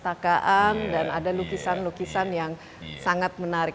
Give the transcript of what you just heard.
ada di sini juga ada perpustakaan dan ada lukisan lukisan yang sangat menarik